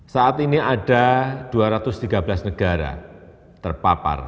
saat ini ada dua ratus tiga belas negara terpapar